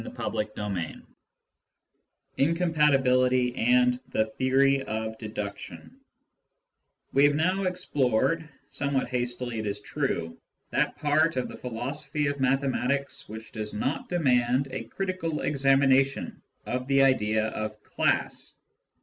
CHAPTER XIV INCOMPATIBILITY AND THE THEORY OF DEDUCTION We have now explored, somewhat hastily it is true, that part of the philosophy of mathematics which does not demand a critical examination of the idea of class.